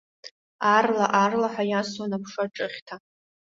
Аарла-аарлаҳәа иасуан аԥша ҿыхьҭа.